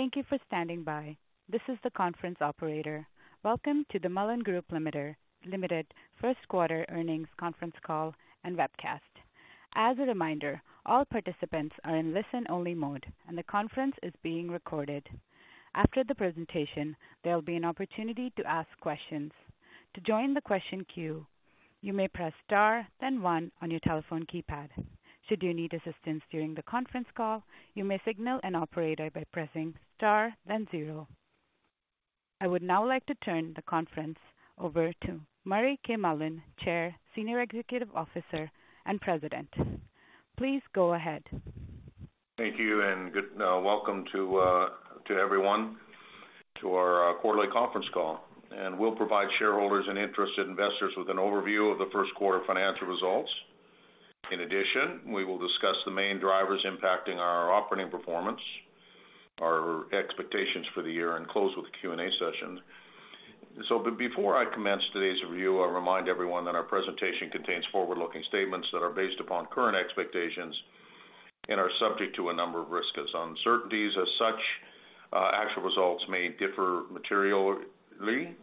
Thank you for standing by. This is the conference operator. Welcome to the Mullen Group Limited first quarter earnings conference call and webcast. As a reminder, all participants are in listen-only mode, and the conference is being recorded. After the presentation, there'll be an opportunity to ask questions. To join the question queue, you may press star then one on your telephone keypad. Should you need assistance during the conference call, you may signal an operator by pressing star then zero. I would now like to turn the conference over to Murray K. Mullen, Chair, Senior Executive Officer and President. Please go ahead. Thank you, welcome to everyone to our quarterly conference call. We'll provide shareholders and interested investors with an overview of the first quarter financial results. In addition, we will discuss the main drivers impacting our operating performance, our expectations for the year, and close with the Q&A session. Before I commence today's review, I'll remind everyone that our presentation contains forward-looking statements that are based upon current expectations and are subject to a number of risks as uncertainties. As such, actual results may differ materially.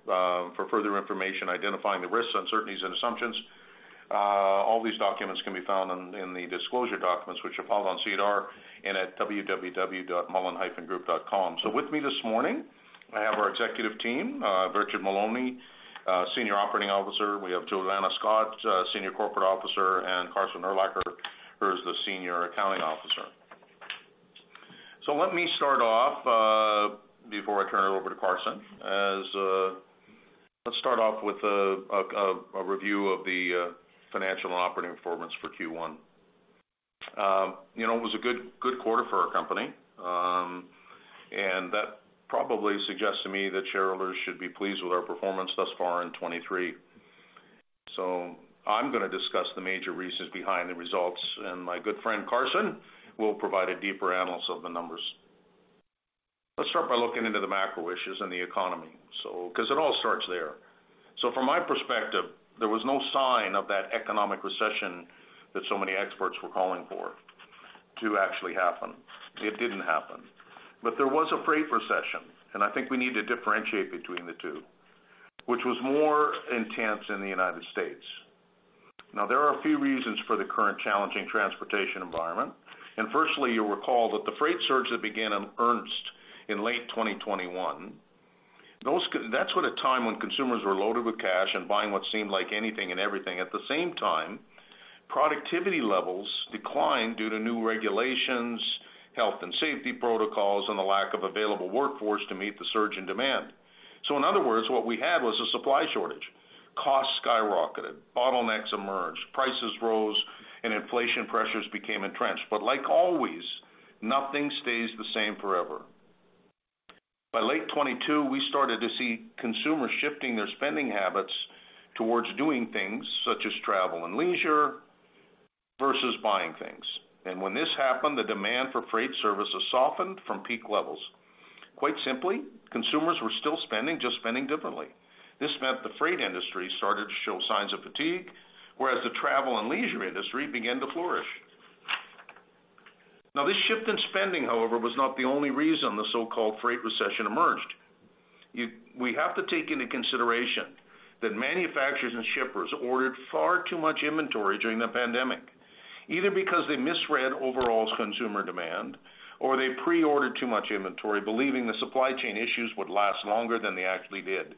For further information identifying the risks, uncertainties, and assumptions, all these documents can be found in the disclosure documents, which are filed on SEDAR and at www.mullen-group.com. With me this morning, I have our executive team, Richard Maloney, Senior Operating Officer. We have Joanna Scott, Senior Corporate Officer, and Carson Urlacher, who is the Senior Accounting Officer. Let me start off before I turn it over to Carson, as... Let's start off with a review of the financial and operating performance for Q1. You know, it was a good quarter for our company, and that probably suggests to me that shareholders should be pleased with our performance thus far in 2023. I'm gonna discuss the major reasons behind the results, and my good friend, Carson, will provide a deeper analysis of the numbers. Let's start by looking into the macro issues in the economy. Because it all starts there. From my perspective, there was no sign of that economic recession that so many experts were calling for to actually happen. It didn't happen. There was a freight recession, and I think we need to differentiate between the two, which was more intense in the United States. There are a few reasons for the current challenging transportation environment. Firstly, you'll recall that the freight surge that began in earnest in late 2021, that's at a time when consumers were loaded with cash and buying what seemed like anything and everything. At the same time, productivity levels declined due to new regulations, health and safety protocols, and the lack of available workforce to meet the surge in demand. In other words, what we had was a supply shortage. Costs skyrocketed, bottlenecks emerged, prices rose, and inflation pressures became entrenched. Like always, nothing stays the same forever. By late 2022, we started to see consumers shifting their spending habits towards doing things such as travel and leisure versus buying things. When this happened, the demand for freight services softened from peak levels. Quite simply, consumers were still spending, just spending differently. This meant the freight industry started to show signs of fatigue, whereas the travel and leisure industry began to flourish. This shift in spending, however, was not the only reason the so-called freight recession emerged. We have to take into consideration that manufacturers and shippers ordered far too much inventory during the pandemic, either because they misread overall consumer demand or they pre-ordered too much inventory, believing the supply chain issues would last longer than they actually did.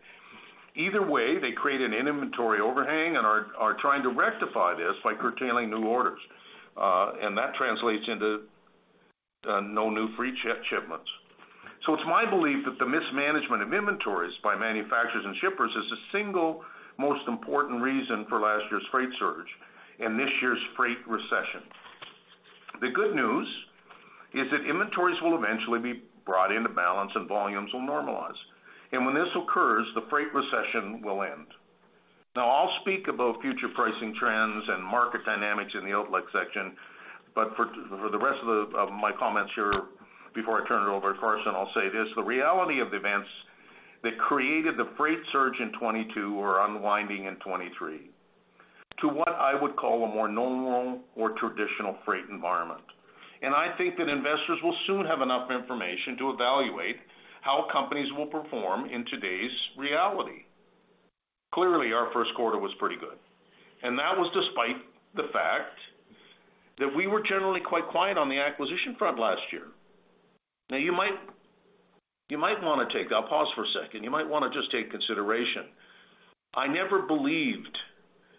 Either way, they created an inventory overhang and are trying to rectify this by curtailing new orders, and that translates into no new freight shipments. It's my belief that the mismanagement of inventories by manufacturers and shippers is the single most important reason for last year's freight surge and this year's freight recession. The good news is that inventories will eventually be brought into balance and volumes will normalize. When this occurs, the freight recession will end. I'll speak about future pricing trends and market dynamics in the outlook section, but for the rest of my comments here before I turn it over to Carson, I'll say this. The reality of the events that created the freight surge in 2022 are unwinding in 2023 to what I would call a more normal or traditional freight environment. I think that investors will soon have enough information to evaluate how companies will perform in today's reality. Clearly, our first quarter was pretty good, and that was despite the fact that we were generally quite quiet on the acquisition front last year. You might wanna take, I'll pause for a second. You might wanna just take consideration. I never believed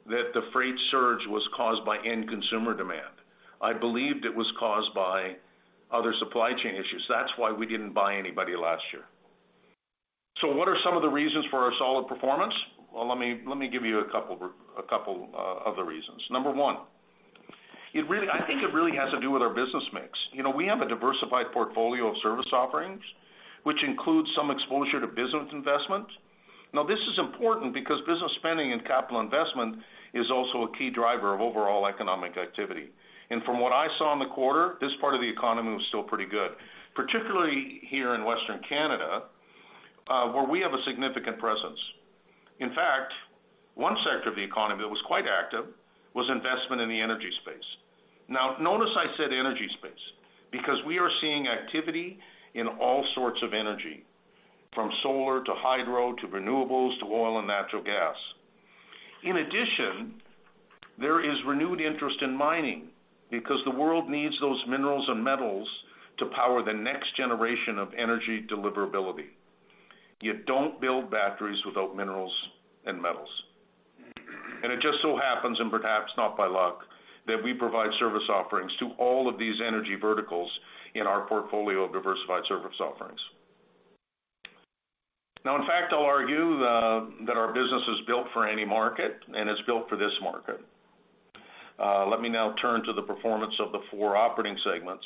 that the freight surge was caused by end consumer demand. I believed it was caused by other supply chain issues. That's why we didn't buy anybody last year. What are some of the reasons for our solid performance? Let me give you a couple of other reasons. Number one, I think it really has to do with our business mix. You know, we have a diversified portfolio of service offerings, which includes some exposure to business investment. This is important because business spending and capital investment is also a key driver of overall economic activity. From what I saw in the quarter, this part of the economy was still pretty good. Particularly here in Western Canada, where we have a significant presence. One sector of the economy that was quite active was investment in the energy space. Notice I said energy space because we are seeing activity in all sorts of energy, from solar to hydro, to renewables, to oil and natural gas. There is renewed interest in mining because the world needs those minerals and metals to power the next generation of energy deliverability. You don't build batteries without minerals and metals. It just so happens, and perhaps not by luck, that we provide service offerings to all of these energy verticals in our portfolio of diversified service offerings. In fact, I'll argue that our business is built for any market and it's built for this market. Let me now turn to the performance of the four operating segments.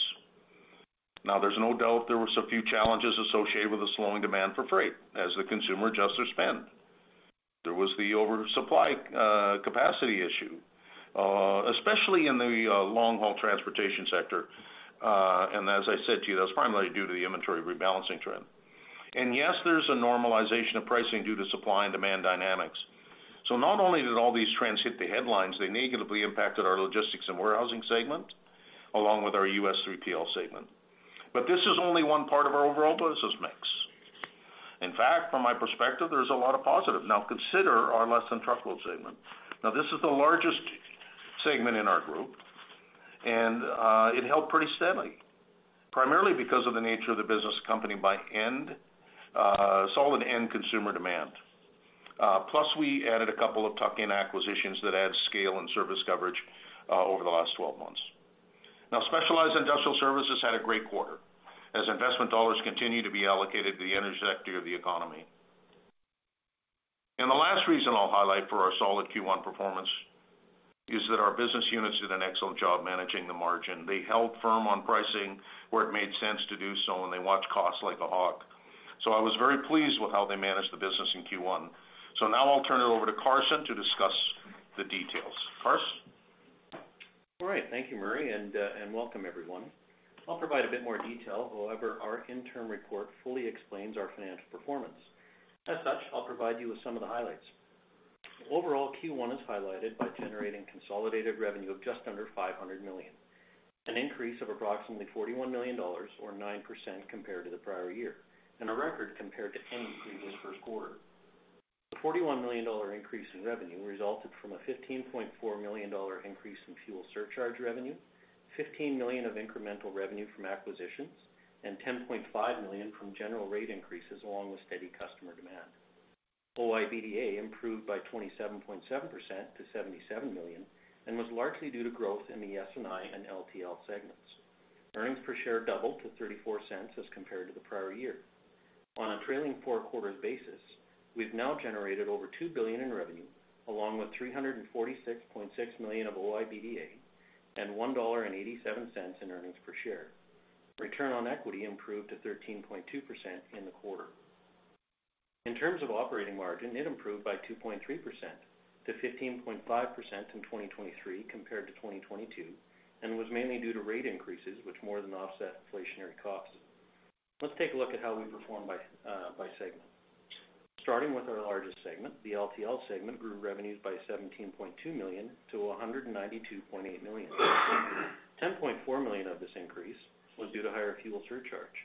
There's no doubt there was a few challenges associated with the slowing demand for freight as the consumer adjusts their spend. There was the oversupply capacity issue, especially in the long-haul transportation sector. As I said to you, that was primarily due to the inventory rebalancing trend. Yes, there's a normalization of pricing due to supply and demand dynamics. Not only did all these trends hit the headlines, they negatively impacted our Logistics & Warehousing segment, along with our U.S. 3PL segment. This is only one part of our overall business mix. In fact, from my perspective, there's a lot of positive. Consider our less-than-truckload segment. This is the largest segment in our group, and it held pretty steady, primarily because of the nature of the business company by end, solid end consumer demand. Plus we added a couple of tuck-in acquisitions that add scale and service coverage over the last 12 months. Specialized & Industrial Services had a great quarter as investment dollars continue to be allocated to the energy sector of the economy. The last reason I'll highlight for our solid Q1 performance is that our business units did an excellent job managing the margin. They held firm on pricing where it made sense to do so, and they watched costs like a hawk. I was very pleased with how they managed the business in Q1. Now I'll turn it over to Carson to discuss the details. Cars? All right. Thank you, Murray. Welcome everyone. I'll provide a bit more detail. However, our interim report fully explains our financial performance. As such, I'll provide you with some of the highlights. Overall, Q1 is highlighted by generating consolidated revenue of just under 500 million, an increase of approximately 41 million dollars or 9% compared to the prior year, and a record compared to any previous first quarter. The 41 million dollar increase in revenue resulted from a 15.4 million dollar increase in fuel surcharge revenue, 15 million of incremental revenue from acquisitions, and 10.5 million from general rate increases, along with steady customer demand. OIBDA improved by 27.7% to 77 million, was largely due to growth in the S&I and LTL segments. Earnings per share doubled to 0.34 as compared to the prior year. On a trailing four quarters basis, we've now generated over 2 billion in revenue, along with 346.6 million of OIBDA and 1.87 dollar in earnings per share. Return on equity improved to 13.2% in the quarter. In terms of operating margin, it improved by 2.3% to 15.5% in 2023 compared to 2022, and was mainly due to rate increases which more than offset inflationary costs. Let's take a look at how we performed by segment. Starting with our largest segment, the LTL segment grew revenues by 17.2 million to 192.8 million. 10.4 million of this increase was due to higher fuel surcharge,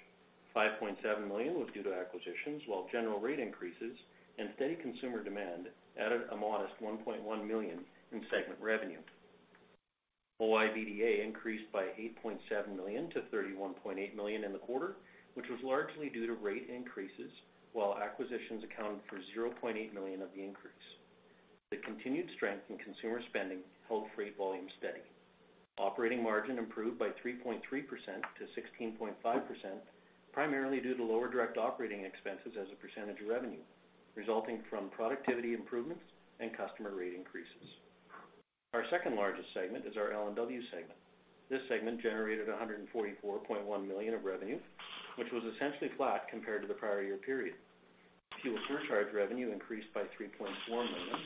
5.7 million was due to acquisitions, while general rate increases and steady consumer demand added a modest 1.1 million in segment revenue. OIBDA increased by 8.7 million to 31.8 million in the quarter, which was largely due to rate increases, while acquisitions accounted for 0.8 million of the increase. The continued strength in consumer spending held freight volume steady. Operating margin improved by 3.3% to 16.5%, primarily due to lower direct operating expenses as a percentage of revenue, resulting from productivity improvements and customer rate increases. Our second-largest segment is our L&W segment. This segment generated 144.1 million of revenue, which was essentially flat compared to the prior year period. Fuel surcharge revenue increased by 3.4 million.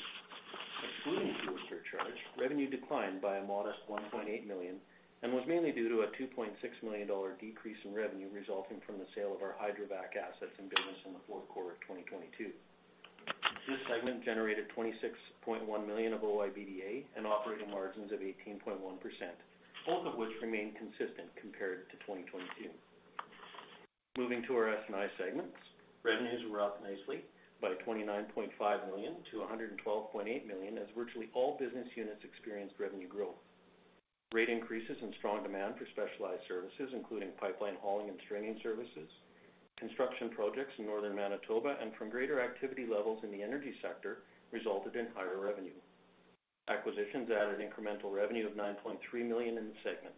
Excluding fuel surcharge, revenue declined by a modest 1.8 million, was mainly due to a 2.6 million dollar decrease in revenue resulting from the sale of our hydrovac assets and business in the fourth quarter of 2022. This segment generated 26.1 million of OIBDA and operating margins of 18.1%, both of which remained consistent compared to 2022. Moving to our S&I segments, revenues were up nicely by 29.5 million to 112.8 million, as virtually all business units experienced revenue growth. Rate increases and strong demand for specialized services, including pipeline hauling and straining services, construction projects in Northern Manitoba, and from greater activity levels in the energy sector, resulted in higher revenue. Acquisitions added incremental revenue of 9.3 million in the segment.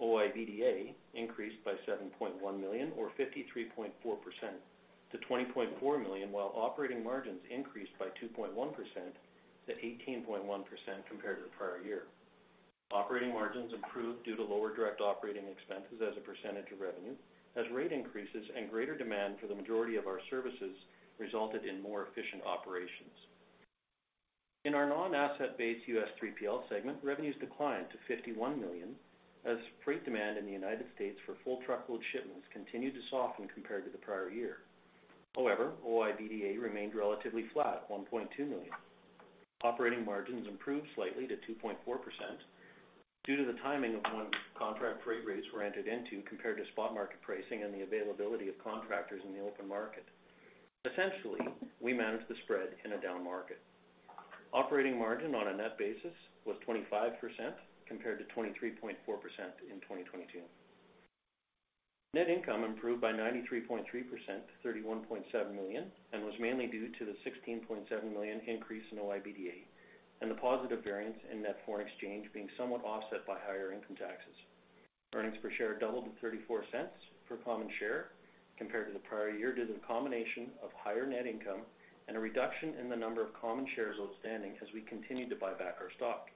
OIBDA increased by 7.1 million or 53.4% to 20.4 million, while operating margins increased by 2.1% to 18.1% compared to the prior year. Operating margins improved due to lower direct operating expenses as a percentage of revenue, as rate increases and greater demand for the majority of our services resulted in more efficient operations. In our non-asset-based US 3PL segment, revenues declined to $51 million as freight demand in the United States for full truckload shipments continued to soften compared to the prior year. OIBDA remained relatively flat at $1.2 million. Operating margins improved slightly to 2.4% due to the timing of when contract freight rates were entered into compared to spot market pricing and the availability of contractors in the open market. Essentially, we managed the spread in a down market. Operating margin on a net basis was 25% compared to 23.4% in 2022. Net income improved by 93.3% to 31.7 million, and was mainly due to the 16.7 million increase in OIBDA, and the positive variance in net foreign exchange being somewhat offset by higher income taxes. Earnings per share doubled to 0.34 per common share compared to the prior year due to the combination of higher net income and a reduction in the number of common shares outstanding as we continued to buy back our stock.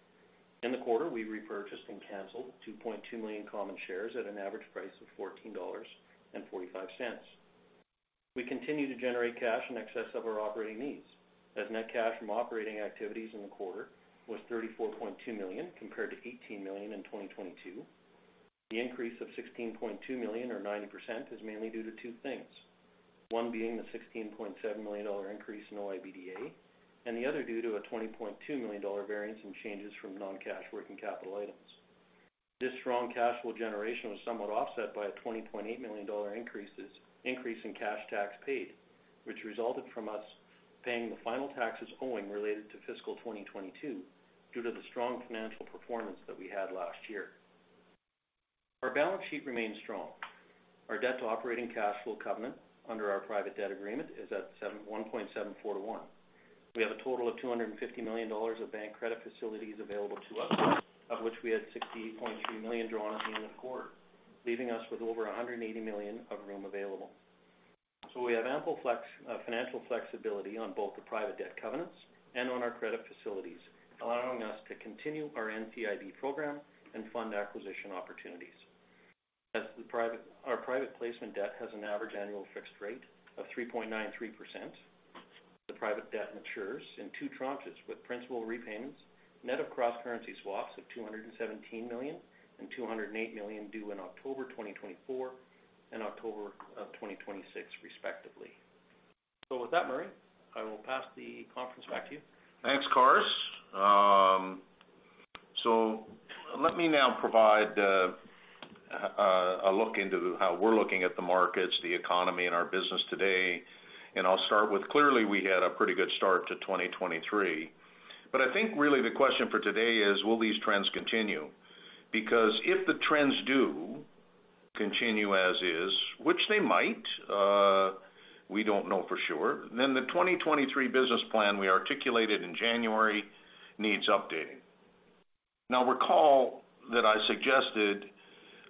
In the quarter, we repurchased and canceled 2.2 million common shares at an average price of 14.45 dollars. We continue to generate cash in excess of our operating needs, as net cash from operating activities in the quarter was 34.2 million compared to 18 million in 2022. The increase of 16.2 million or 90% is mainly due to two things. One being the 16.7 million dollar increase in OIBDA, and the other due to a 20.2 million dollar variance in changes from non-cash working capital items. This strong cash flow generation was somewhat offset by a 20.8 million dollar increase in cash tax paid, which resulted from us paying the final taxes owing related to fiscal 2022 due to the strong financial performance that we had last year. Our balance sheet remains strong. Our debt to operating cash flow covenant under our private debt agreement is at 1.74 to 1. We have a total of 250 million dollars of bank credit facilities available to us, of which we had 68.3 million drawn at the end of the quarter, leaving us with over 180 million of room available. We have ample financial flexibility on both the private debt covenants and on our credit facilities, allowing us to continue our NCIB program and fund acquisition opportunities. Our private placement debt has an average annual fixed rate of 3.93%. The private debt matures in two tranches with principal repayments net of cross-currency swaps of 217 million and 208 million due in October 2024 and October 2026 respectively. With that, Murray, I will pass the conference back to you. Thanks, Cars. Let me now provide a look into how we're looking at the markets, the economy, and our business today. I'll start with, clearly, we had a pretty good start to 2023. I think really the question for today is, will these trends continue? If the trends do continue as is, which they might, we don't know for sure, then the 2023 business plan we articulated in January needs updating. Recall that I suggested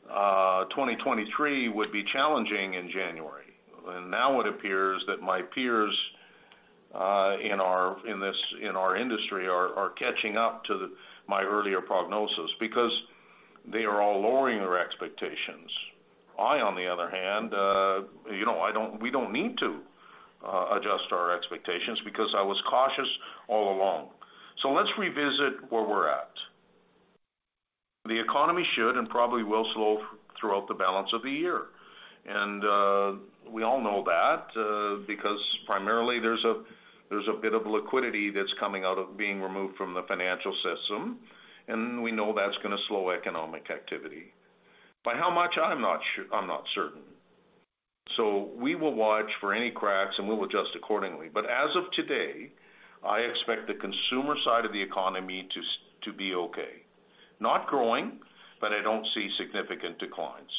2023 would be challenging in January. Now it appears that my peers in our industry are catching up to my earlier prognosis because they are all lowering their expectations. I, on the other hand, you know, I don't we don't need to adjust our expectations because I was cautious all along. Let's revisit where we're at. The economy should and probably will slow throughout the balance of the year. We all know that because primarily there's a bit of liquidity that's coming out of being removed from the financial system, and we know that's gonna slow economic activity. By how much? I'm not certain. We will watch for any cracks, and we will adjust accordingly. As of today, I expect the consumer side of the economy to be okay. Not growing, but I don't see significant declines.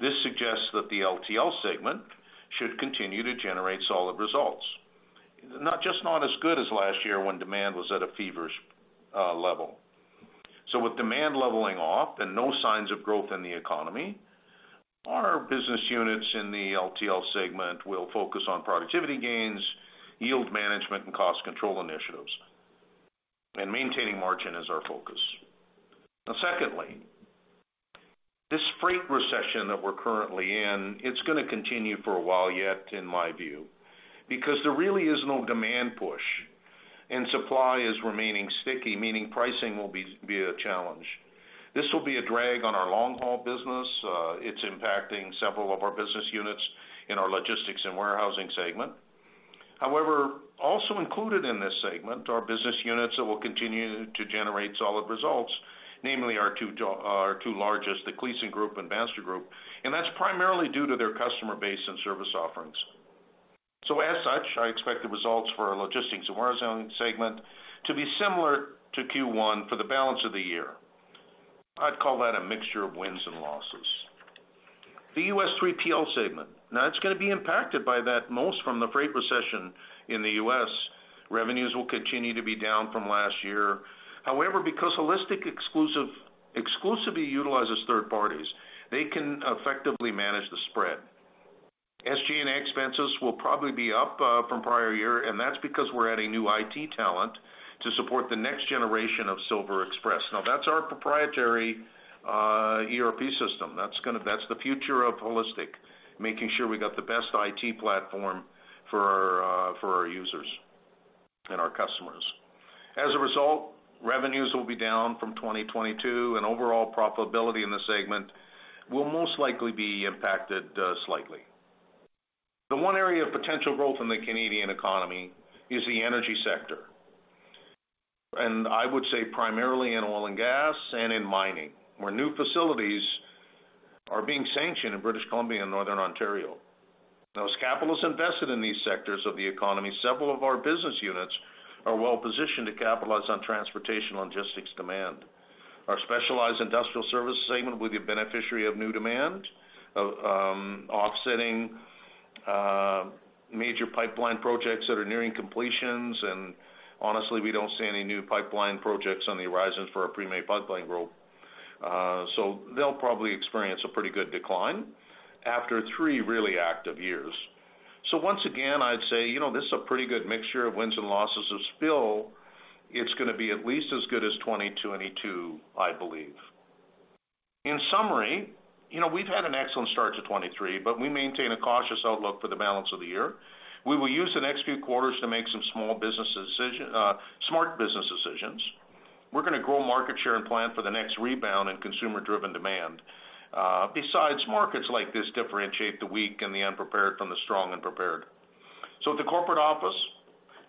This suggests that the LTL segment should continue to generate solid results. Not just not as good as last year when demand was at a feverish level. With demand leveling off and no signs of growth in the economy, our business units in the LTL segment will focus on productivity gains, yield management, and cost control initiatives, and maintaining margin as our focus. Secondly, this freight recession that we're currently in, it's gonna continue for a while yet, in my view, because there really is no demand push, and supply is remaining sticky, meaning pricing will be a challenge. This will be a drag on our long-haul business. It's impacting several of our business units in our Logistics & Warehousing segment. However, also included in this segment are business units that will continue to generate solid results, namely our two largest, the Kleysen Group and Manitoulin Group, and that's primarily due to their customer base and service offerings. As such, I expect the results for our Logistics & Warehousing segment to be similar to Q1 for the balance of the year. I'd call that a mixture of wins and losses. The U.S. 3PL segment, it's going to be impacted by that most from the freight recession in the U.S. revenues will continue to be down from last year. However, because HAUListic exclusively utilizes third parties, they can effectively manage the spread. SG&A expenses will probably be up from prior year, and that's because we're adding new IT talent to support the next generation of SilverExpress. That's our proprietary ERP system. That's the future of HAUListic, making sure we got the best IT platform for our users. In our customers. As a result, revenues will be down from 2022, overall profitability in the segment will most likely be impacted slightly. The one area of potential growth in the Canadian economy is the energy sector, I would say primarily in oil and gas and in mining, where new facilities are being sanctioned in British Columbia and Northern Ontario. As capital is invested in these sectors of the economy, several of our business units are well-positioned to capitalize on transportation logistics demand. Our Specialized & Industrial Services segment will be a beneficiary of new demand, offsetting major pipeline projects that are nearing completions. Honestly, we don't see any new pipeline projects on the horizon for our Premay Pipeline Group. They'll probably experience a pretty good decline after three really active years. Once again, I'd say, you know, this is a pretty good mixture of wins and losses of spill. It's gonna be at least as good as 2022, I believe. In summary, you know, we've had an excellent start to 2023, but we maintain a cautious outlook for the balance of the year. We will use the next few quarters to make some smart business decisions. We're gonna grow market share and plan for the next rebound in consumer-driven demand. Besides, markets like this differentiate the weak and the unprepared from the strong and prepared. At the corporate office,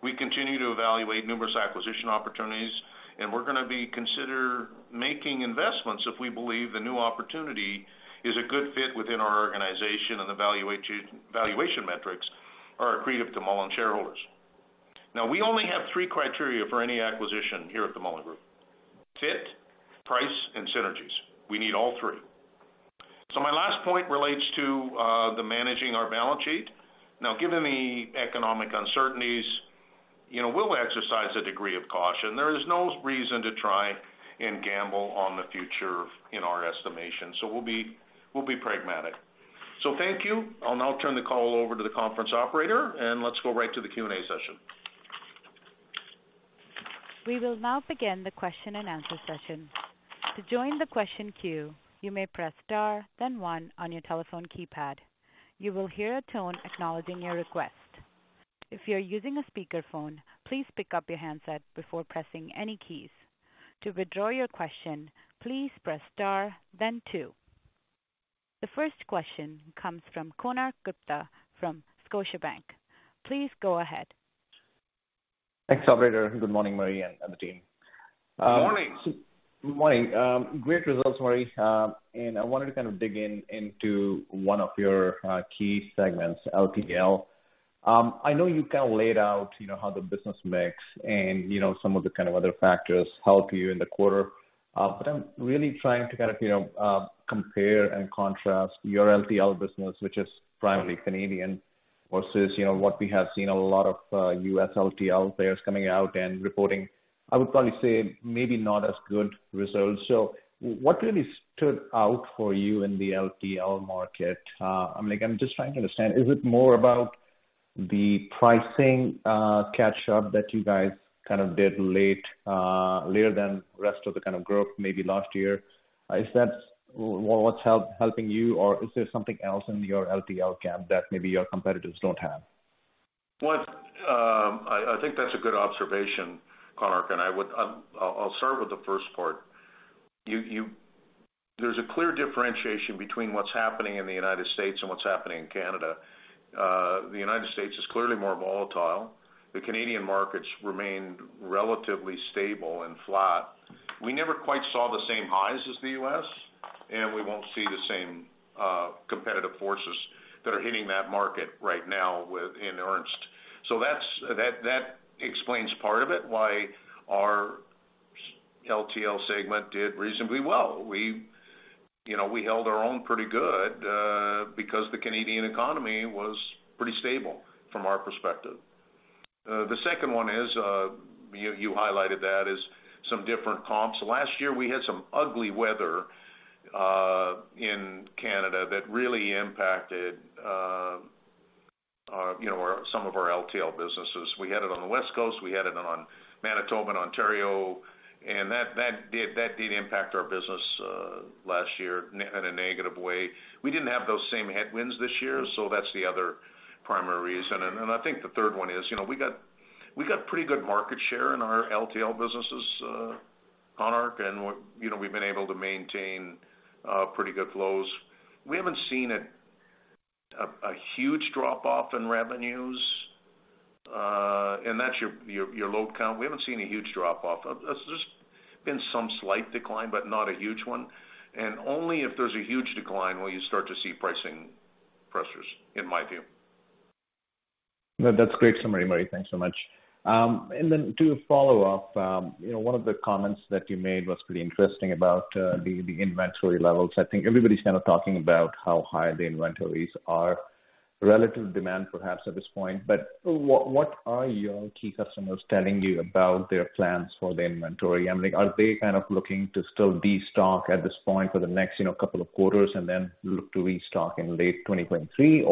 we continue to evaluate numerous acquisition opportunities, and we're gonna be consider making investments if we believe the new opportunity is a good fit within our organization, and the valuation metrics are accretive to Mullen shareholders. We only have three criteria for any acquisition here at the Mullen Group: fit, price, and synergies. We need all three. My last point relates to the managing our balance sheet. Given the economic uncertainties, you know, we'll exercise a degree of caution. There is no reason to try and gamble on the future in our estimation, we'll be pragmatic. Thank you. I'll now turn the call over to the conference operator, let's go right to the Q&A session. We will now begin the question-and-answer session. To join the question queue, you may press star then one on your telephone keypad. You will hear a tone acknowledging your request. If you're using a speakerphone, please pick up your handset before pressing any keys. To withdraw your question, please press star then two. The first question comes from Konark Gupta from Scotiabank. Please go ahead. Thanks, operator. Good morning, Murray and the team. Morning. Good morning. Great results, Murray. I wanted to kind of dig into one of your key segments, LTL. I know you kind of laid out, you know, how the business mix and, you know, some of the kind of other factors helped you in the quarter. I'm really trying to kind of, you know, compare and contrast your LTL business, which is primarily Canadian versus, you know, what we have seen a lot of U.S. LTL players coming out and reporting, I would probably say maybe not as good results. What really stood out for you in the LTL market? I mean, like, I'm just trying to understand, is it more about the pricing catch-up that you guys kind of did late, later than rest of the kind of growth maybe last year? Is that what's helping you, or is there something else in your LTL camp that maybe your competitors don't have? I think that's a good observation, Konark. I'll start with the first part. There's a clear differentiation between what's happening in the U.S. and what's happening in Canada. The U.S. is clearly more volatile. The Canadian markets remained relatively stable and flat. We never quite saw the same highs as the U.S. We won't see the same competitive forces that are hitting that market right now in earnest. That explains part of it, why our LTL segment did reasonably well. You know, we held our own pretty good because the Canadian economy was pretty stable from our perspective. The second one is, you highlighted that, is some different comps. Last year, we had some ugly weather in Canada that really impacted, you know, our, some of our LTL businesses. We had it on the West Coast. We had it on Manitoba and Ontario, and that did impact our business last year in a negative way. We didn't have those same headwinds this year, so that's the other primary reason. I think the third one is, you know, we got pretty good market share in our LTL businesses, Konark, and you know, we've been able to maintain pretty good flows. We haven't seen a huge drop-off in revenues, and that's your load count. We haven't seen a huge drop-off. There's been some slight decline, but not a huge one, and only if there's a huge decline will you start to see pricing pressures, in my view. No, that's a great summary, Murray. Thanks so much. To follow up, you know, one of the comments that you made was pretty interesting about the inventory levels. I think everybody's kind of talking about how high the inventories are relative to demand perhaps at this point. What are your key customers telling you about their plans for the inventory? I mean, are they kind of looking to still destock at this point for the next, you know, couple of quarters and then look to restock in late 2023?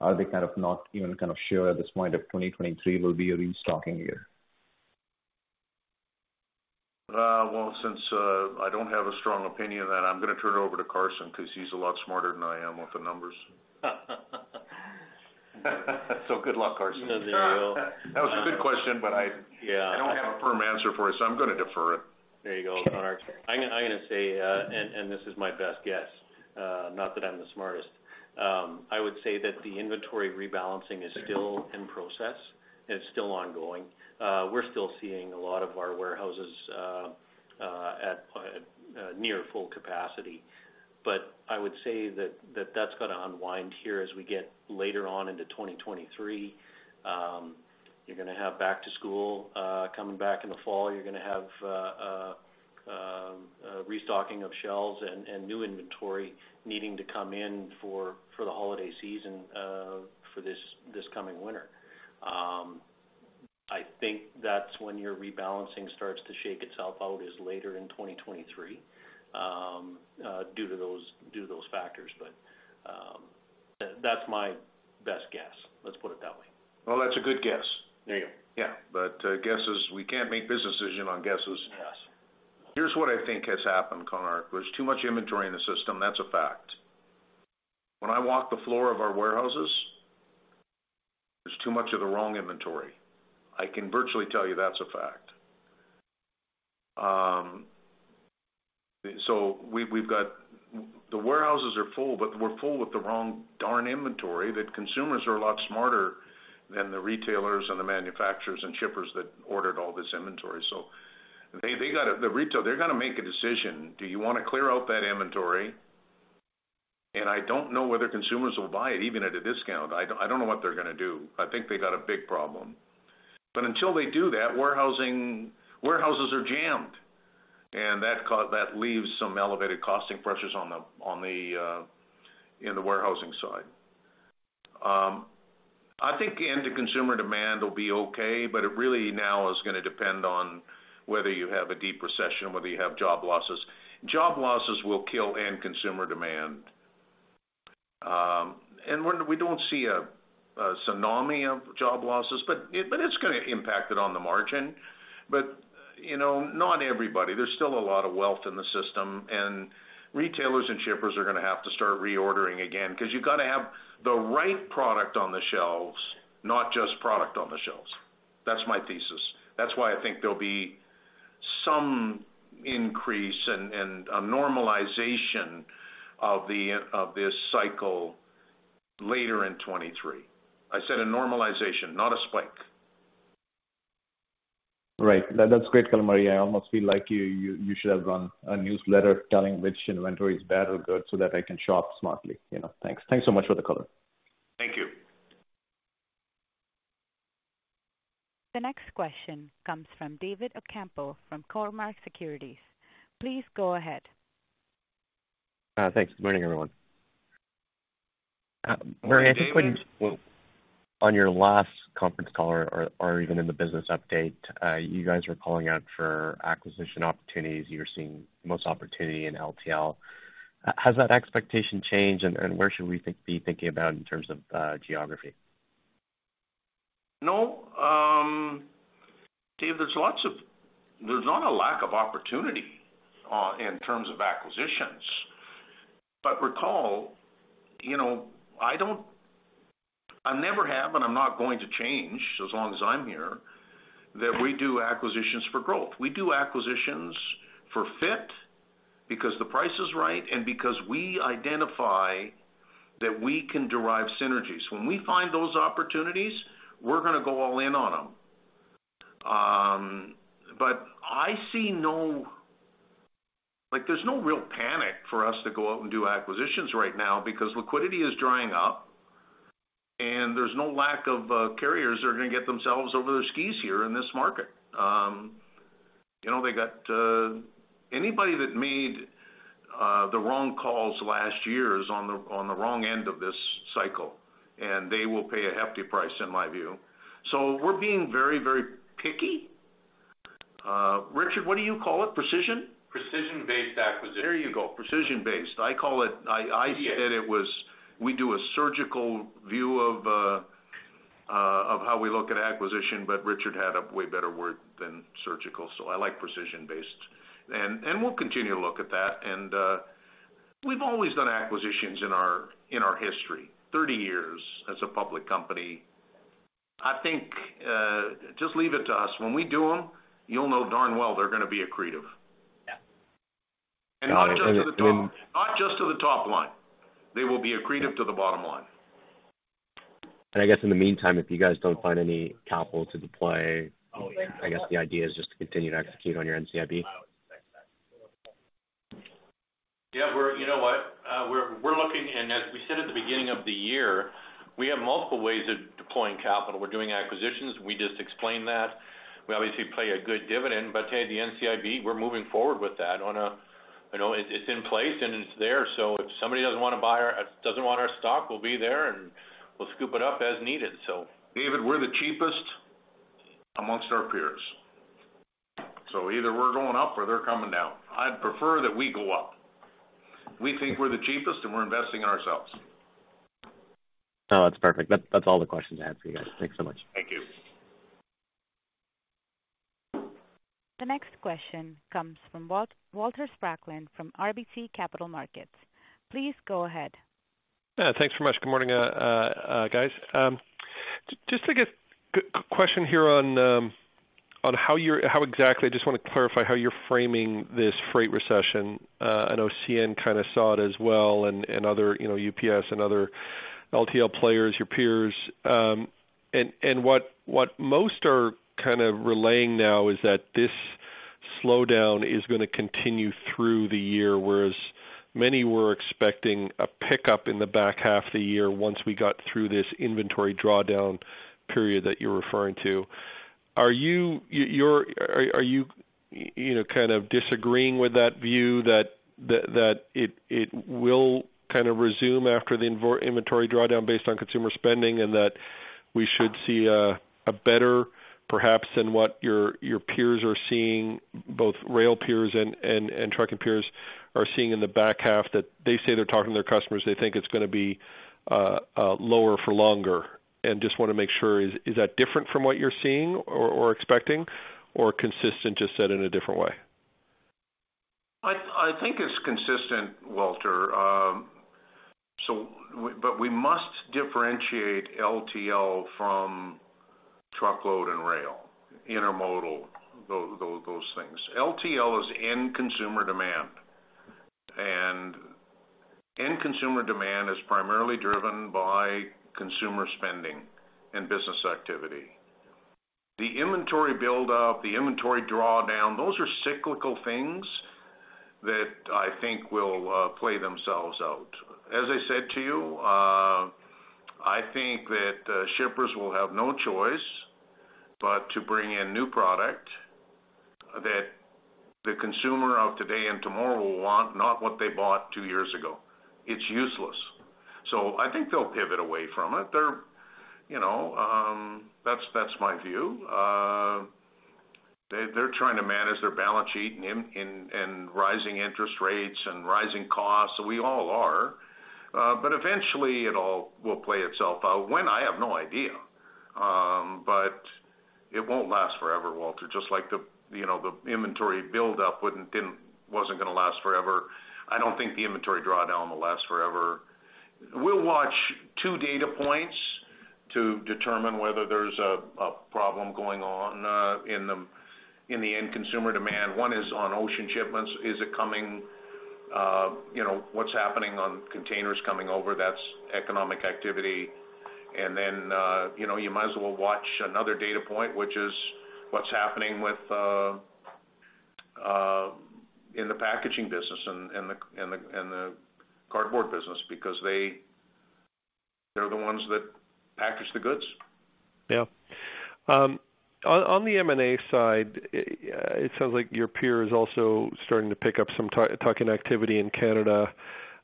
Are they kind of not even sure at this point if 2023 will be a restocking year? Well, since I don't have a strong opinion on that, I'm gonna turn it over to Carson 'cause he's a lot smarter than I am with the numbers. Good luck, Carson. You know the deal. That was a good question. Yeah. I don't have a firm answer for it, so I'm gonna defer it. There you go, Konark. I'm gonna say, and this is my best guess, not that I'm the smartest. I would say that the inventory rebalancing is still in process, and it's still ongoing. We're still seeing a lot of our warehouses at near full capacity. I would say that that's gonna unwind here as we get later on into 2023. You're gonna have back to school coming back in the fall, you're gonna have a restocking of shelves and new inventory needing to come in for the holiday season for this coming winter. I think that's when your rebalancing starts to shake itself out, is later in 2023 due to those factors. That's my best guess, let's put it that way. Well, that's a good guess. There you go. Yeah. Guesses, we can't make business decisions on guesses. Yes. Here's what I think has happened, Konark. There's too much inventory in the system. That's a fact. When I walk the floor of our warehouses, there's too much of the wrong inventory. I can virtually tell you that's a fact. The warehouses are full, but we're full with the wrong darn inventory. The consumers are a lot smarter than the retailers and the manufacturers and shippers that ordered all this inventory. They're gonna make a decision. Do you wanna clear out that inventory? I don't know whether consumers will buy it, even at a discount. I don't know what they're gonna do. I think they got a big problem. Until they do that, warehouses are jammed, and that leaves some elevated costing pressures on the in the warehousing side. I think end consumer demand will be okay, but it really now is gonna depend on whether you have a deep recession, whether you have job losses. Job losses will kill end consumer demand. We don't see a tsunami of job losses, but it's gonna impact it on the margin. You know, not everybody. There's still a lot of wealth in the system, and retailers and shippers are gonna have to start reordering again, 'cause you've gotta have the right product on the shelves, not just product on the shelves. That's my thesis. That's why I think there'll be some increase and a normalization of this cycle later in 2023. I said a normalization, not a spike. Right. That's great, Murray. I almost feel like you should have run a newsletter telling which inventory is bad or good so that I can shop smartly, you know? Thanks so much for the color. Thank you. The next question comes from David Ocampo from Cormark Securities. Please go ahead. Thanks. Good morning, everyone. Morning, David. On your last conference call or even in the business update, you guys were calling out for acquisition opportunities. You were seeing the most opportunity in LTL. Has that expectation changed, and where should we be thinking about in terms of geography? No. David, there's not a lack of opportunity in terms of acquisitions. Recall, you know, I never have, and I'm not going to change as long as I'm here, that we do acquisitions for growth. We do acquisitions for fit because the price is right and because we identify that we can derive synergies. When we find those opportunities, we're gonna go all in on them. Like, there's no real panic for us to go out and do acquisitions right now because liquidity is drying up, and there's no lack of carriers that are gonna get themselves over their skis here in this market. You know, they got.. Anybody that made, the wrong calls last year is on the, on the wrong end of this cycle, and they will pay a hefty price, in my view. We're being very, very picky. Richard, what do you call it? Precision? Precision-based acquisition. There you go, precision-based. I call it, I said it was, we do a surgical view of how we look at acquisition, but Richard had a way better word than surgical, so I like precision-based. We'll continue to look at that. We've always done acquisitions in our history. 30 years as a public company. I think, just leave it to us. When we do them, you'll know darn well they're gonna be accretive. Yeah. Not just to the top- I mean- Not just to the top line. They will be accretive to the bottom line. I guess in the meantime, if you guys don't find any capital to deploy, I guess the idea is just to continue to execute on your NCIB. Yeah. You know what? We're looking, and as we said at the beginning of the year, we have multiple ways of deploying capital. We're doing acquisitions. We just explained that. We obviously pay a good dividend. Hey, the NCIB, we're moving forward with that. You know, it's in place and it's there, so if somebody doesn't wanna buy our, doesn't want our stock, we'll be there and we'll scoop it up as needed, so. David, we're the cheapest amongst our peers. Either we're going up or they're coming down. I'd prefer that we go up. We think we're the cheapest, and we're investing in ourselves. Oh, that's perfect. That's all the questions I had for you guys. Thanks so much. Thank you. The next question comes from Walter Spracklin from RBC Capital Markets. Please go ahead. Thanks very much. Good morning, guys. Just to get question here on how exactly, I just wanna clarify how you're framing this freight recession. I know CN kind of saw it as well and other, you know, UPS and other LTL players, your peers. What most are kind of relaying now is that this slowdown is gonna continue through the year, whereas many were expecting a pickup in the back half of the year once we got through this inventory drawdown period that you're referring to. Are you know, kind of disagreeing with that view that it will kind of resume after the inventory drawdown based on consumer spending, and that we should see a better perhaps than what your peers are seeing, both rail peers and trucking peers are seeing in the back half that they say they're talking to their customers, they think it's gonna be lower for longer. Just wanna make sure, is that different from what you're seeing or expecting, or consistent, just said in a different way? I think it's consistent, Walter. But we must differentiate LTL from truckload and rail, intermodal, those things. LTL is end consumer demand. End consumer demand is primarily driven by consumer spending and business activity. The inventory buildup, the inventory drawdown, those are cyclical things that I think will play themselves out. As I said to you, I think that shippers will have no choice but to bring in new product that the consumer of today and tomorrow will want, not what they bought two years ago. It's useless. I think they'll pivot away from it. They're, you know, that's my view. They're trying to manage their balance sheet and rising interest rates and rising costs. We all are. Eventually it all will play itself out. When? I have no idea. It won't last forever, Walter. Just like the, you know, the inventory buildup wasn't gonna last forever, I don't think the inventory drawdown will last forever. We'll watch two data points to determine whether there's a problem going on in the end consumer demand. One is on ocean shipments. Is it coming? You know, what's happening on containers coming over, that's economic activity. You know, you might as well watch another data point, which is what's happening with in the packaging business and the cardboard business because they're the ones that package the goods. Yeah. On the M&A side, it sounds like your peer is also starting to pick up some talking activity in Canada.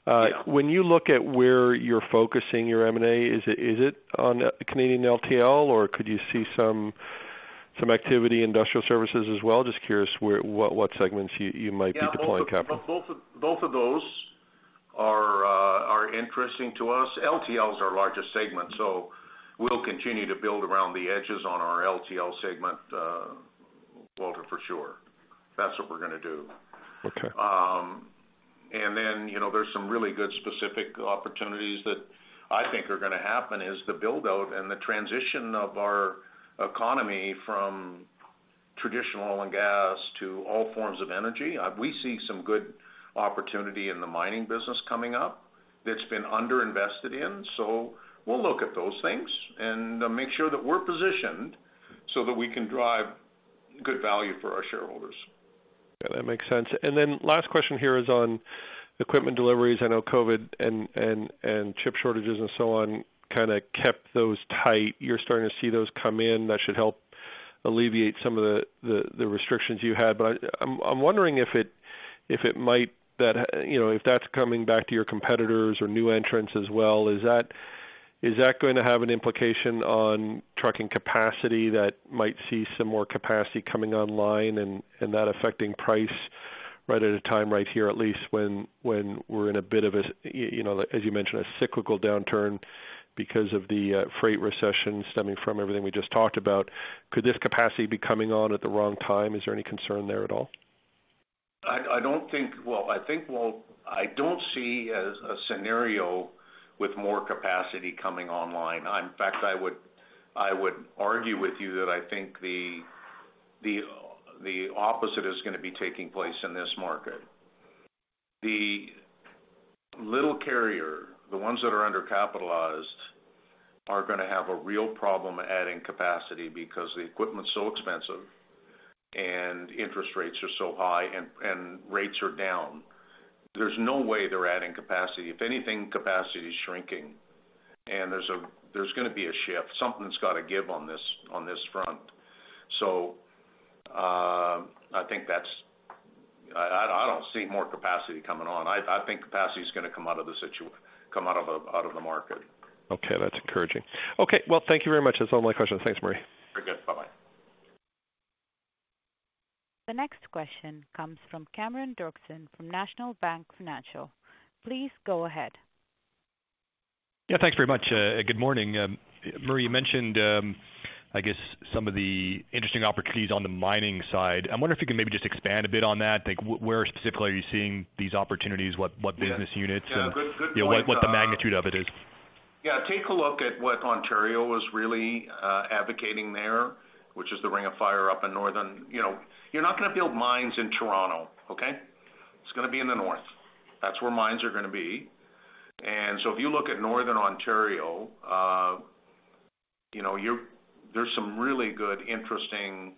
Yeah. When you look at where you're focusing your M&A, is it on Canadian LTL, or could you see some activity industrial services as well? Just curious what segments you might be deploying capital. Yeah. Both of those are interesting to us. LTL is our largest segment, we'll continue to build around the edges on our LTL segment, Walter, for sure. That's what we're gonna do. Okay. You know, there's some really good specific opportunities that I think are gonna happen, is the build-out and the transition of our economy from traditional oil and gas to all forms of energy. We see some good opportunity in the mining business coming up that's been underinvested in. We'll look at those things and make sure that we're positioned so that we can drive good value for our shareholders. Yeah, that makes sense. Last question here is on equipment deliveries. I know COVID and chip shortages and so on kinda kept those tight. You're starting to see those come in. That should help alleviate some of the restrictions you had. I'm wondering if it might, that, you know, if that's coming back to your competitors or new entrants as well, is that going to have an implication on trucking capacity that might see some more capacity coming online and that affecting price at a time right here, at least when we're in a bit of a, you know, as you mentioned, a cyclical downturn because of the freight recession stemming from everything we just talked about. Could this capacity be coming on at the wrong time? Is there any concern there at all? I don't think. I think I don't see a scenario with more capacity coming online. In fact, I would argue with you that I think the opposite is gonna be taking place in this market. The little carrier, the ones that are undercapitalized, are gonna have a real problem adding capacity because the equipment's so expensive and interest rates are so high and rates are down. There's no way they're adding capacity. If anything, capacity is shrinking, and there's gonna be a shift. Something's gotta give on this front. I think that's. I don't see more capacity coming on. I think capacity is gonna come out of the market. Okay. That's encouraging. Okay, well, thank you very much. That's all my questions. Thanks, Murray. The next question comes from Cameron Doerksen from National Bank Financial. Please go ahead. Yeah, thanks very much. Good morning. Murray, you mentioned, I guess some of the interesting opportunities on the mining side. I wonder if you can maybe just expand a bit on that. Like, where specifically are you seeing these opportunities? What business units- Yeah. Good, good point. You know, what the, what the magnitude of it is. Yeah. Take a look at what Ontario was really advocating there, which is the Ring of Fire up in Northern. You know, you're not gonna build mines in Toronto, okay? It's gonna be in the north. That's where mines are gonna be. If you look at Northern Ontario, you know, there's some really good, interesting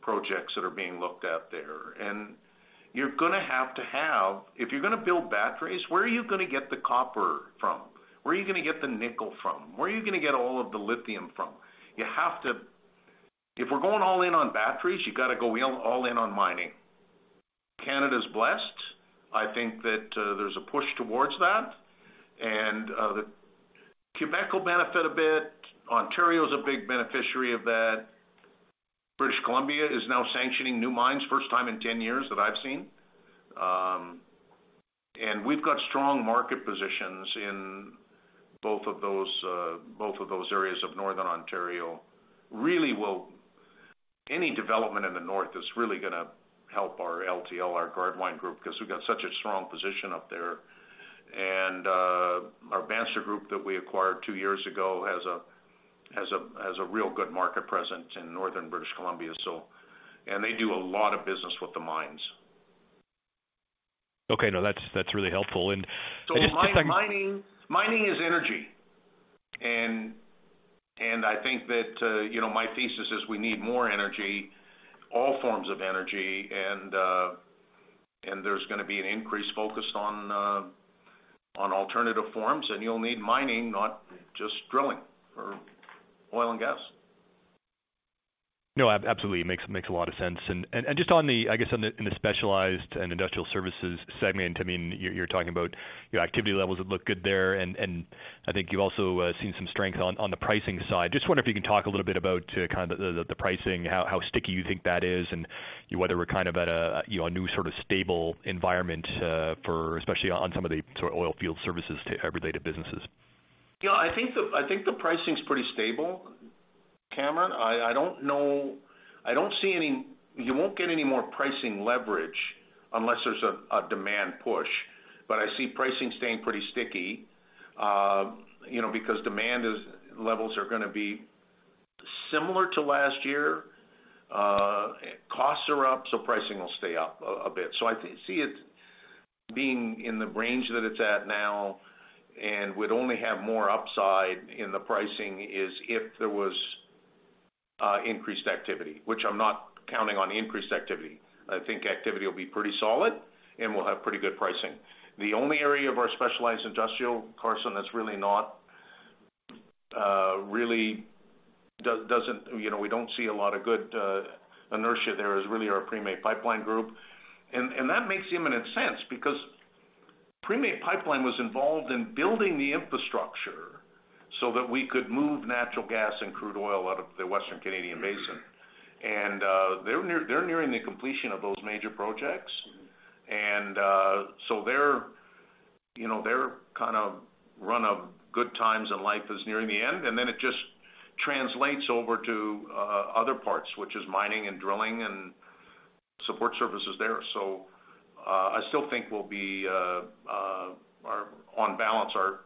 projects that are being looked at there. You're gonna have to have. If you're gonna build batteries, where are you gonna get the copper from? Where are you gonna get the nickel from? Where are you gonna get all of the lithium from? You have to. If we're going all in on batteries, you gotta go wheel all in on mining. Canada's blessed. I think that there's a push towards that. Quebec will benefit a bit. Ontario is a big beneficiary of that. British Columbia is now sanctioning new mines first time in 10 years that I've seen. We've got strong market positions in both of those, both of those areas of Northern Ontario. Any development in the North is really gonna help our LTL, our Gardewine Group, 'cause we've got such a strong position up there. Our Bandstra Group that we acquired two years ago has a real good market presence in Northern British Columbia. They do a lot of business with the mines. Okay. No, that's really helpful. I just think like. Mining is energy. I think that, you know, my thesis is we need more energy, all forms of energy. There's going to be an increase focused on alternative forms, and you'll need mining, not just drilling for oil and gas. No, absolutely. Makes a lot of sense. Just on the, I guess, in the Specialized & Industrial Services segment, I mean, you're talking about your activity levels that look good there. I think you've also seen some strength on the pricing side. Just wonder if you can talk a little bit about kind of the pricing, how sticky you think that is and whether we're kind of at a, you know, a new sort of stable environment for especially on some of the sort of oil field services to every day to businesses. I think the pricing's pretty stable, Cameron. You won't get any more pricing leverage unless there's a demand push. I see pricing staying pretty sticky, you know, because demand levels are going to be similar to last year. Costs are up, pricing will stay up a bit. I see it being in the range that it's at now, and we'd only have more upside in the pricing is if there was increased activity, which I'm not counting on increased activity. I think activity will be pretty solid and we'll have pretty good pricing. The only area of our Specialized & Industrial, Carson, that's really not, really doesn't, you know, we don't see a lot of good inertia there is really our Premay Pipeline group. That makes eminent sense because Premay Pipeline was involved in building the infrastructure so that we could move natural gas and crude oil out of the Western Canadian Basin. They're near, they're nearing the completion of those major projects. So they're, you know, they're kind of run of good times and life is nearing the end. Then it just translates over to other parts, which is mining and drilling and support services there. I still think we'll be on balance, our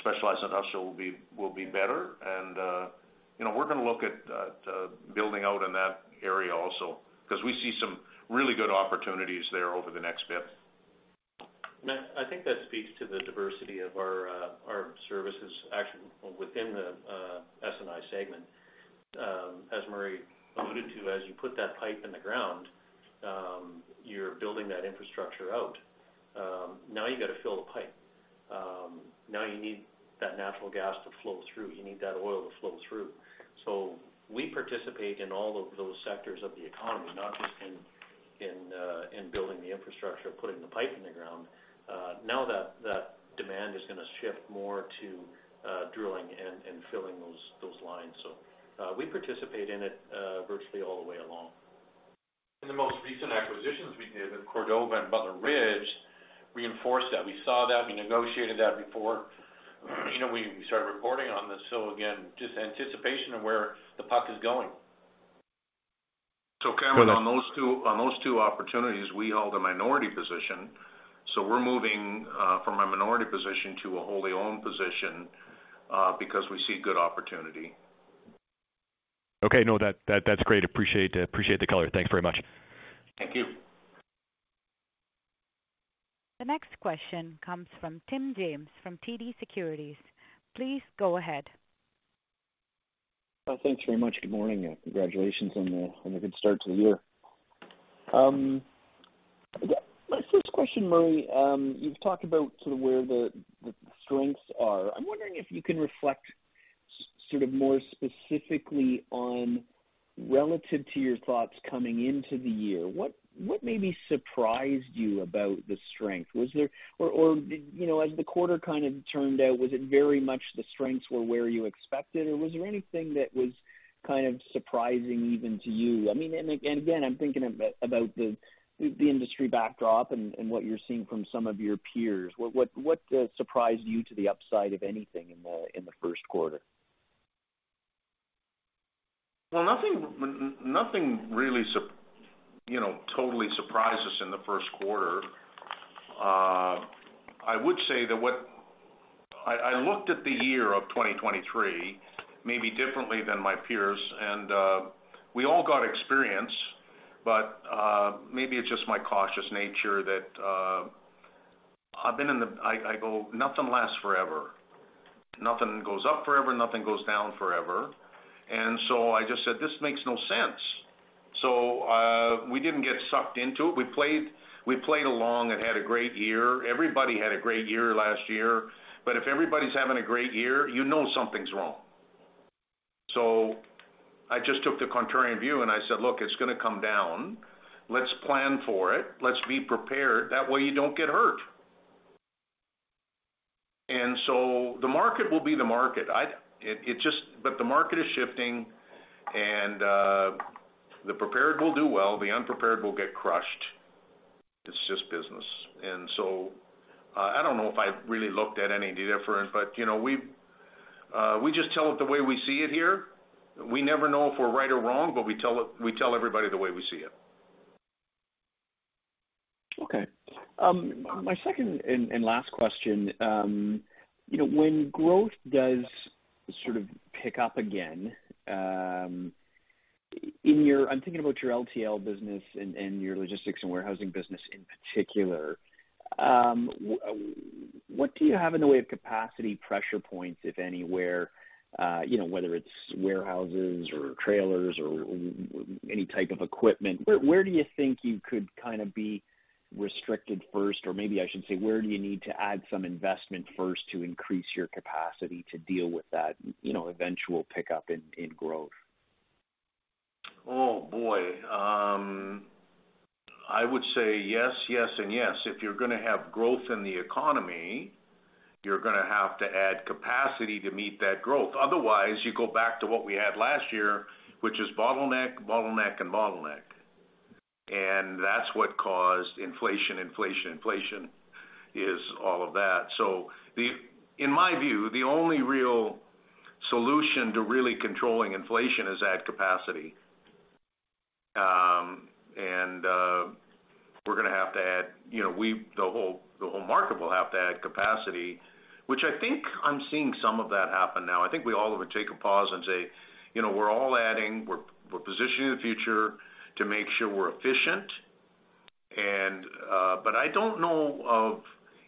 Specialized & Industrial will be better. You know, we're gonna look at building out in that area also because we see some really good opportunities there over the next bit. Cam, I think that speaks to the diversity of our services actually within the S&I segment. As Murray alluded to, as you put that pipe in the ground, you're building that infrastructure out. Now you got to fill the pipe. Now you need that natural gas to flow through. You need that oil to flow through. We participate in all of those sectors of the economy, not just in building the infrastructure, putting the pipe in the ground. Now that that demand is gonna shift more to drilling and filling those lines. We participate in it virtually all the way along. In the most recent acquisitions we did with Cordova and Butler Ridge reinforced that. We saw that, we negotiated that before, you know, we started reporting on this. Again, just anticipation of where the puck is going. Cameron, on those two opportunities, we held a minority position. We're moving from a minority position to a wholly owned position because we see good opportunity. Okay. No, that's great. Appreciate the color. Thanks very much. Thank you. The next question comes from Tim James from TD Securities. Please go ahead. Thanks very much. Good morning. Congratulations on the good start to the year. My first question, Murray, you've talked about sort of where the strengths are. I'm wondering if you can reflect sort of more specifically on relative to your thoughts coming into the year, what maybe surprised you about the strength? Was there or, you know, as the quarter kind of turned out, was it very much the strengths were where you expected, or was there anything that was kind of surprising even to you? I mean, again, I'm thinking about the industry backdrop and what you're seeing from some of your peers. What surprised you to the upside of anything in the first quarter? Well, nothing really surprised us in the first quarter. I would say that I looked at the year of 2023 maybe differently than my peers and we all got experience, but maybe it's just my cautious nature that I go, nothing lasts forever. Nothing goes up forever, nothing goes down forever. I just said, this makes no sense. We didn't get sucked into it. We played along and had a great year. Everybody had a great year last year. If everybody's having a great year, you know something's wrong. I just took the contrarian view and I said, "Look, it's gonna come down. Let's plan for it. Let's be prepared. That way, you don't get hurt." The market will be the market. The market is shifting and the prepared will do well, the unprepared will get crushed. It's just business. So I don't know if I really looked at any difference, but, you know, we just tell it the way we see it here. We never know if we're right or wrong, but we tell everybody the way we see it. Okay. My second and last question. You know, when growth does sort of pick up again, I'm thinking about your LTL business and your Logistics & Warehousing business in particular. What do you have in the way of capacity pressure points, if anywhere, you know, whether it's warehouses or trailers or any type of equipment? Where do you think you could kind of be restricted first? Maybe I should say, where do you need to add some investment first to increase your capacity to deal with that, you know, eventual pickup in growth? Oh, boy. I would say yes and yes. If you're gonna have growth in the economy, you're gonna have to add capacity to meet that growth. Otherwise, you go back to what we had last year, which is bottleneck and bottleneck. That's what caused inflation, inflation is all of that. In my view, the only real solution to really controlling inflation is add capacity. We're gonna have to add, you know, the whole market will have to add capacity, which I think I'm seeing some of that happen now. I think we all have to take a pause and say, you know, we're all adding, we're positioning the future to make sure we're efficient. But I don't know of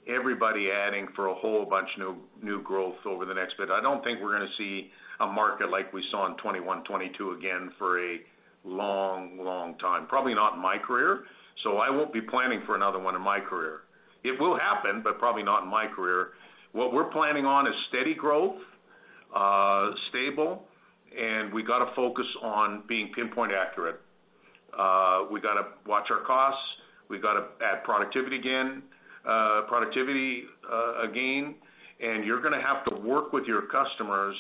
everybody adding for a whole bunch of new growth over the next bit. I don't think we're gonna see a market like we saw in 2021, 2022 again for a long, long time. Probably not in my career, so I won't be planning for another one in my career. It will happen, but probably not in my career. What we're planning on is steady growth, stable, and we gotta focus on being pinpoint accurate. We gotta watch our costs. We gotta add productivity again. You're gonna have to work with your customers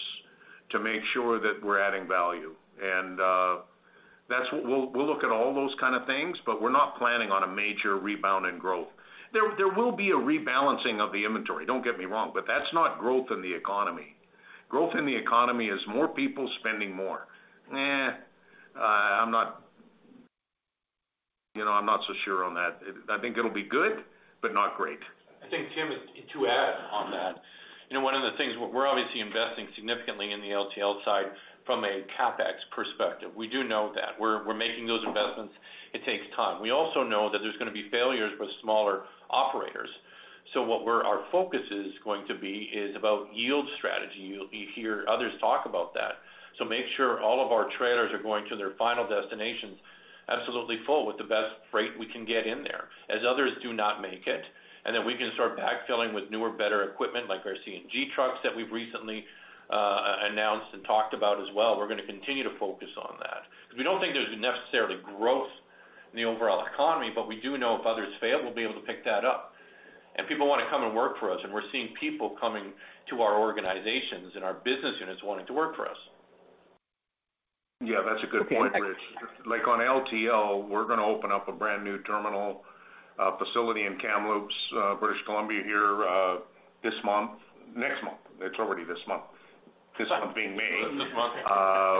to make sure that we're adding value. That's what we'll look at all those kind of things, but we're not planning on a major rebound in growth. There will be a rebalancing of the inventory, don't get me wrong, but that's not growth in the economy. Growth in the economy is more people spending more. I'm not. You know, I'm not so sure on that. I think it'll be good, but not great. I think, Tim, to add on that, you know, one of the things, we're obviously investing significantly in the LTL side from a CapEx perspective. We do know that. We're making those investments, it takes time. We also know that there's going to be failures with smaller operators. What our focus is going to be is about yield strategy. You hear others talk about that. Make sure all of our trailers are going to their final destinations absolutely full with the best freight we can get in there, as others do not make it. Then we can start backfilling with newer, better equipment like our CNG trucks that we've recently announced and talked about as well. We're going to continue to focus on that. We don't think there's necessarily growth in the overall economy, but we do know if others fail, we'll be able to pick that up. People wanna come and work for us, and we're seeing people coming to our organizations and our business units wanting to work for us. Yeah, that's a good point, Rich. Like, on LTL, we're gonna open up a brand new terminal, facility in Kamloops, British Columbia here, this month. Next month. It's already this month. This month being May. This month.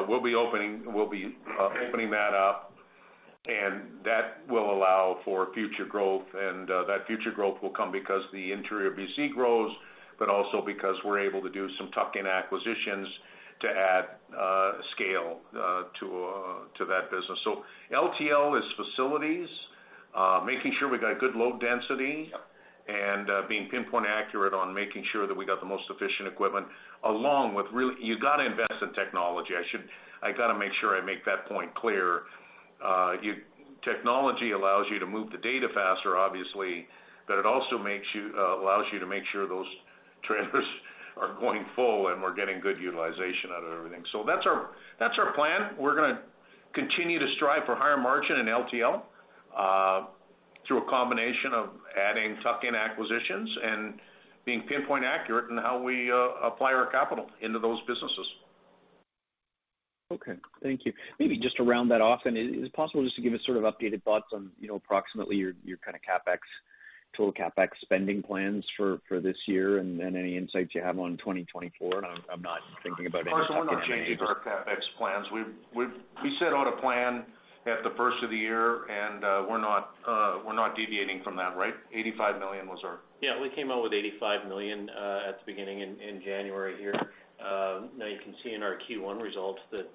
We'll be opening that up, and that will allow for future growth. That future growth will come because the interior BC grows, but also because we're able to do some tuck-in acquisitions to add scale to that business. LTL is facilities, making sure we got good load density. Yep. Being pinpoint accurate on making sure that we got the most efficient equipment along with really. You gotta invest in technology. I gotta make sure I make that point clear. Technology allows you to move the data faster, obviously, but it also makes you, allows you to make sure those trailers are going full and we're getting good utilization out of everything. That's our, that's our plan. We're gonna continue to strive for higher margin in LTL through a combination of adding tuck-in acquisitions and being pinpoint accurate in how we apply our capital into those businesses. Okay. Thank you. Maybe just to round that off, and is it possible just to give us sort of updated thoughts on, you know, approximately your kinda CapEx, total CapEx spending plans for this year and any insights you have on 2024? I'm not thinking about any- Carson, we're not changing our CapEx plans. We've set out a plan at the first of the year, and we're not deviating from that, right? 85 million was our- Yeah, we came out with 85 million at the beginning in January here. Now you can see in our Q1 results that.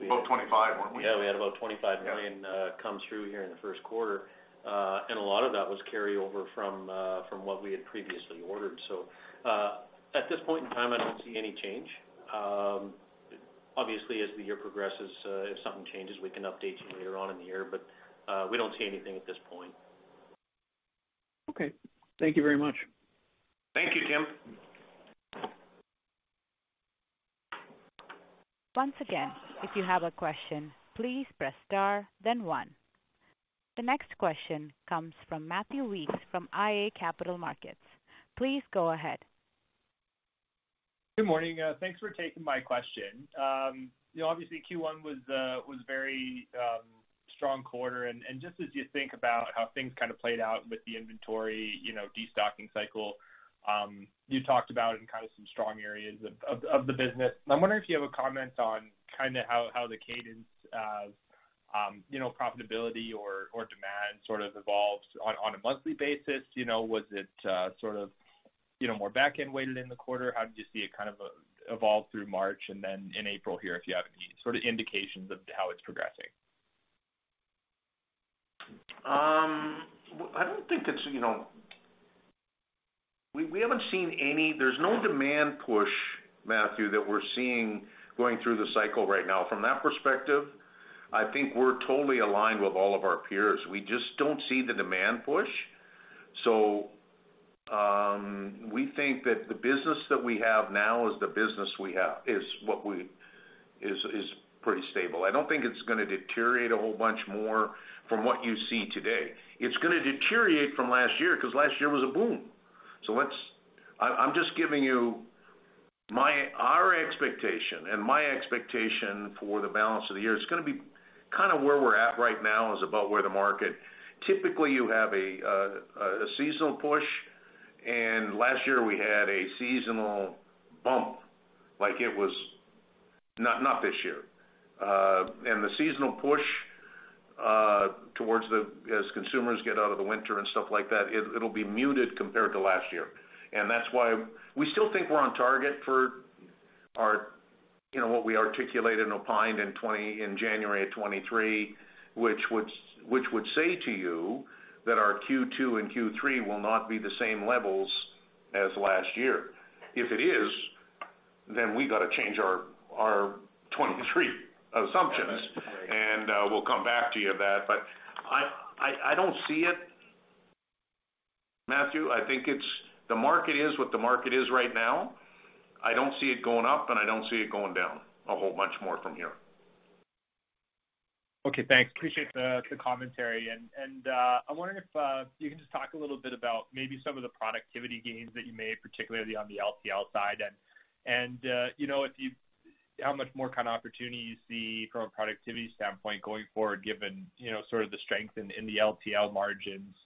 About 25, weren't we? Yeah, we had about 25 million- Yeah Come through here in the first quarter. A lot of that was carryover from what we had previously ordered. At this point in time, I don't see any change. Obviously, as the year progresses, if something changes, we can update you later on in the year. We don't see anything at this point. Okay. Thank you very much. Thank you, Tim. If you have a question, please press star then one. The next question comes from Matthew Weekes from iA Capital Markets. Please go ahead. Good morning. Thanks for taking my question. You know, obviously Q1 was very strong quarter. Just as you think about how things kind of played out with the inventory, you know, destocking cycle, you talked about in kind of some strong areas of the business. I'm wondering if you have a comment on kinda how the cadence, you know, profitability or demand sort of evolves on a monthly basis. You know, was it sort of, you know, more backend weighted in the quarter? How did you see it kind of evolve through March and then in April here, if you have any sort of indications of how it's progressing? Well, I don't think it's, you know. We haven't seen any. There's no demand push, Matthew, that we're seeing going through the cycle right now. From that perspective, I think we're totally aligned with all of our peers. We just don't see the demand push. We think that the business that we have now is the business we have. Is what we have is pretty stable. I don't think it's gonna deteriorate a whole bunch more from what you see today. It's gonna deteriorate from last year 'cause last year was a boom. Let's. I'm just giving you our expectation and my expectation for the balance of the year. It's gonna be kinda where we're at right now is about where the market. Typically you have a seasonal push, and last year we had a seasonal bump, like it was. Not this year. The seasonal push towards the, as consumers get out of the winter and stuff like that, it'll be muted compared to last year. That's why we still think we're on target for our, you know, what we articulated and opined in January of 2023, which would say to you that our Q2 and Q3 will not be the same levels as last year. If it is, then we gotta change our 2023 assumptions. Right. We'll come back to you with that. I don't see it, Matthew. I think it's, the market is what the market is right now. I don't see it going up, and I don't see it going down a whole much more from here. Okay, thanks. Appreciate the commentary. I'm wondering if you can just talk a little bit about maybe some of the productivity gains that you made, particularly on the LTL side. You know, how much more kind of opportunity you see from a productivity standpoint going forward, given, you know, sort of the strength in the LTL margins.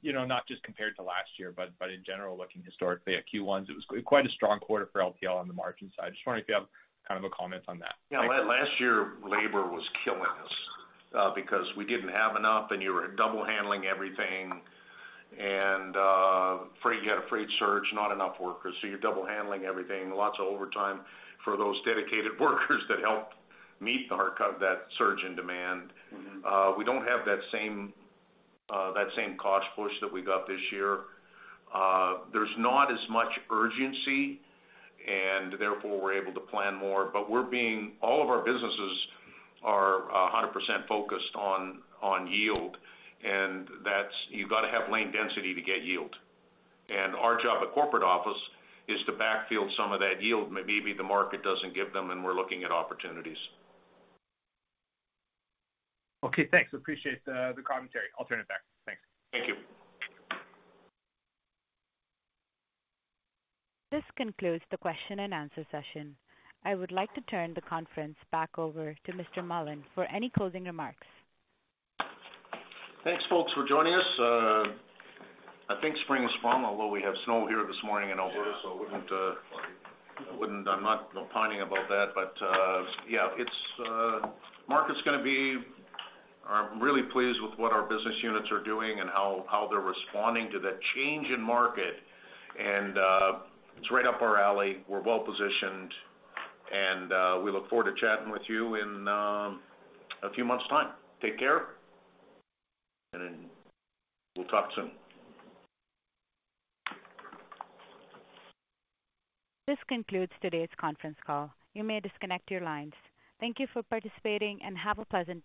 You know, not just compared to last year, but in general, looking historically at Q1s, it was quite a strong quarter for LTL on the margin side. Just wondering if you have kind of a comment on that. Yeah. Last year, labor was killing us, because we didn't have enough. You were double handling everything and freight, you had a freight surge, not enough workers, so you're double handling everything. Lots of overtime for those dedicated workers that helped meet the heart of that surge in demand. Mm-hmm. We don't have that same, that same cost push that we got this year. Therefore, we're able to plan more. All of our businesses are 100% focused on yield, and that's, you've gotta have lane density to get yield. Our job at corporate office is to backfill some of that yield maybe the market doesn't give them, and we're looking at opportunities. Okay, thanks. Appreciate the commentary. I'll turn it back. Thanks. Thank you. This concludes the question and answer session. I would like to turn the conference back over to Mr. Mullen for any closing remarks. Thanks folks for joining us. I think spring has sprung, although we have snow here this morning in Alberta, so I'm not opining about that. Yeah, it's market's gonna be... I'm really pleased with what our business units are doing and how they're responding to that change in market. It's right up our alley. We're well-positioned, and we look forward to chatting with you in a few months' time. Take care, we'll talk soon. This concludes today's conference call. You may disconnect your lines. Thank you for participating and have a pleasant day.